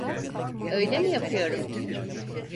Öyle mi yapıyorum?